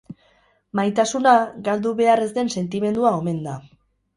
Maitasuna galdu behar ez den sentimendua omen da.